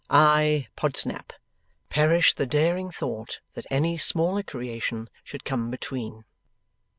I, Podsnap. Perish the daring thought that any smaller creation should come between!